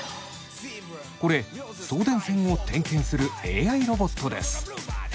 これ送電線を点検するＡＩロボットです。